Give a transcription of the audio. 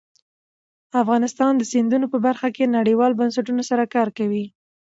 افغانستان د سیندونه په برخه کې نړیوالو بنسټونو سره کار کوي.